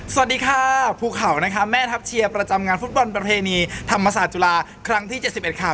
สวัสดีค่ะภูเขานะคะแม่ทัพเชียร์ประจำงานฟุตบอลประเพณีธรรมศาสตร์จุฬาครั้งที่๗๑ค่ะ